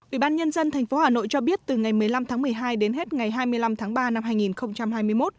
ủy ban nhân dân tp hà nội cho biết từ ngày một mươi năm tháng một mươi hai đến hết ngày hai mươi năm tháng ba năm hai nghìn hai mươi một